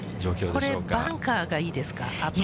これ、バンカーがいいですか？